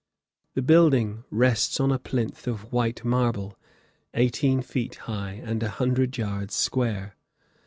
The building rests on a plinth of white marble, eighteen feet high and a hundred yards square.